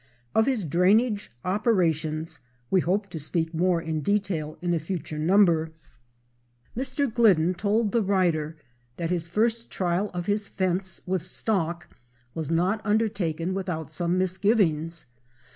Of his drainage operations we hope to speak more in detail in a future number. Mr. Glidden told the writer that his first trial of his fence with stock was not undertaken without some misgivings.